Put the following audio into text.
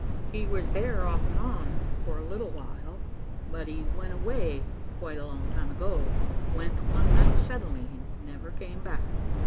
He was there, off and on, for a little while, but he went away quite a long time ago, went one night suddenly and never came back.